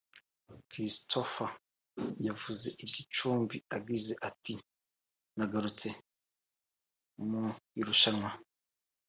Christopher yavuze i Gicumbi agize ati “Nagarutse mu irushanwa